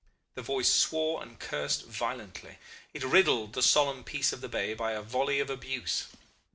The voice swore and cursed violently; it riddled the solemn peace of the bay by a volley of abuse.